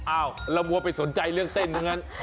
อ้าวละมัวไปสนใจเรื่องเต้นทั้งนั้น